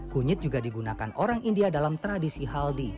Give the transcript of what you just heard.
kunyit juga digunakan orang india dalam tradisi haldi